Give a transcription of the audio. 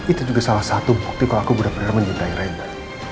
itu juga salah satu bukti kalau aku benar benar mencintai reda